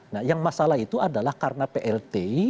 nah yang masalah itu adalah karena plt